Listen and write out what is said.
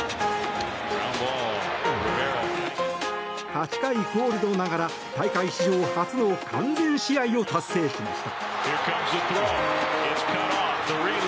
８回コールドながら大会史上初の完全試合を達成しました。